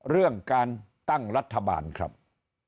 เรื่องการตั้งรัฐบาลครับ